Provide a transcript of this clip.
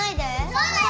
・そうだよ